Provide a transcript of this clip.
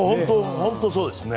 本当にそうですね。